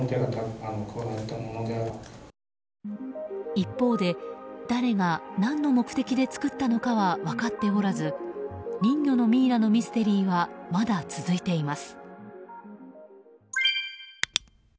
一方で、誰が何の目的で作ったのかは分かっておらず人魚のミイラのミステリーはまだ続いています。